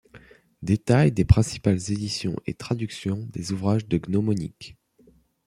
Détail des principales éditions et traductions des ouvrages de gnomonique.